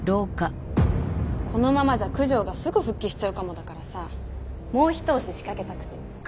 このままじゃ九条がすぐ復帰しちゃうかもだからさもうひと押し仕掛けたくて。